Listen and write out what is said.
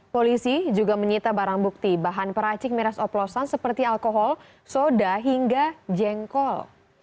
polisi juga menyita barang bukti bahan peracik miras oplosan seperti alkohol soda hingga jengkol